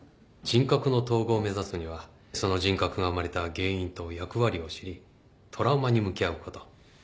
人格の統合を目指すにはその人格が生まれた原因と役割を知りトラウマに向き合うこと